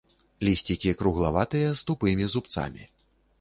Лісцікі круглаватыя, з тупымі зубцамі.